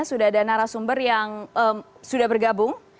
sudah ada narasumber yang sudah bergabung